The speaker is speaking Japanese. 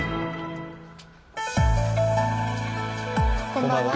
こんばんは。